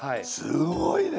すごいね！